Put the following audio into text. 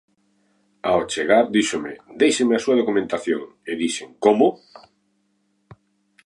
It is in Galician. Ao chegar díxome, 'déixeme a súa documentación' e dixen 'como'?